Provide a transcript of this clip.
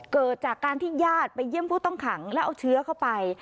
เกิดจากการที่ญาติไปเยี่ยมผู้ต้องขังแล้วเอาเชื้อเข้าไป